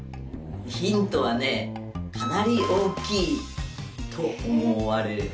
ヒントはねかなり大きいと思われる。